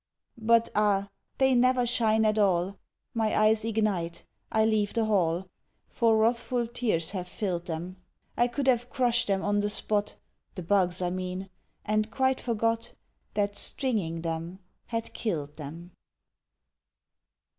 But, ah, they never shine at all! My eyes ignite I leave the hall, For wrathful tears have filled them; I could have crushed them on the spot The bugs, I mean! and quite forgot That stringing them had killed them.